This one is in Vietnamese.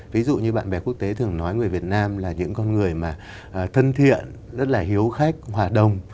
ví dụ như bạn bè quốc tế thường nói người việt nam là những con người mà thân thiện rất là hiếu khách hòa đồng